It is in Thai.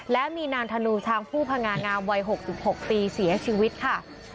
และมีนางธนูช้างผู้พงางามวัย๖๖ปีเสียชีวิตค่ะ